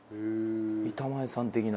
板前さん的な。